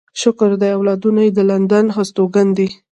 شکر دی اولادونه يې د لندن هستوګن دي.